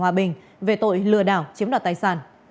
hòa bình về tội lừa đảo chiếm đoạt tài sản